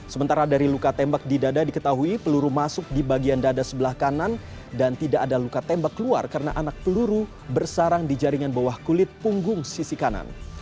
sementara dari luka tembak di dada diketahui peluru masuk di bagian dada sebelah kanan dan tidak ada luka tembak keluar karena anak peluru bersarang di jaringan bawah kulit punggung sisi kanan